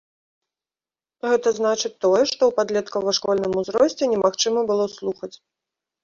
Гэта значыць тое, што ў падлеткава-школьным узросце немагчыма было слухаць.